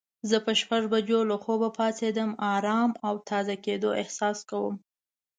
زه په شپږ بجو له خوبه پاڅیدم د آرام او تازه کیدو احساس کوم.